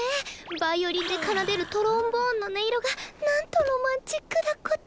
バイオリンで奏でるトロンボーンの音色がなんとロマンチックだこと。